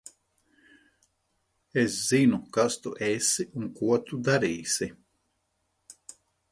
Es zinu, kas tu esi un ko tu darīsi.